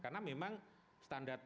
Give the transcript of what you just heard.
karena memang standar itu